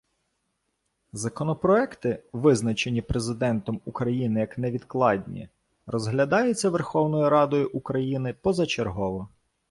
Законопроекти, визначені Президентом України як невідкладні, розглядаються Верховною Радою України позачергово.